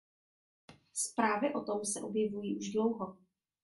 Zprávy o tom se objevují už dlouho.